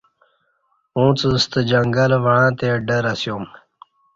اݩڅ ستہ جنگل وعݩتے ڈر اسیوم۔